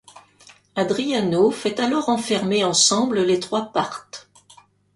Adriano fait alors enfermer ensemble les trois Parthes.